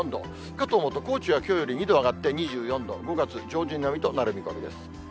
かと思うと、高知はきょうより２度上がって２４度、５月上旬並みとなる見込みです。